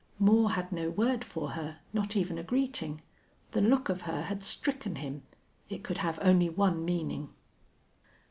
Moore had no word for her, not even a greeting. The look of her had stricken him. It could have only one meaning.